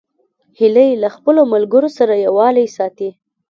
هیلۍ له خپلو ملګرو سره یووالی ساتي